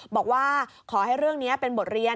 บอกว่าขอให้เรื่องนี้เป็นบทเรียน